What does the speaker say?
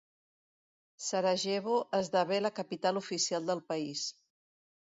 Sarajevo esdevé la capital oficial del país.